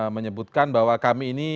menyebutkan bahwa kami ini